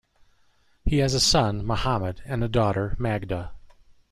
He has a son, Mohammad, and a daughter, Magda.